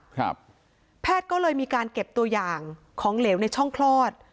แพทย์ก็เลยมีการเก็บตัวอย่างของเหลวในช่องคลอด